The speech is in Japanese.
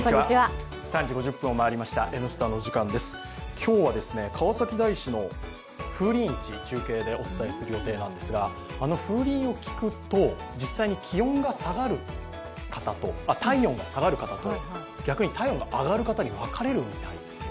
今日は、川崎大師の風鈴市、中継でお伝えする予定なんですが、あの風鈴を聞くと、実際に体温が下がる方と、逆に体温が上がる方に分かれるみたいですね。